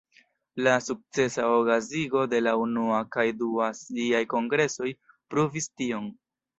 La sukcesa okazigo de la unua kaj dua aziaj kongresoj pruvis tion.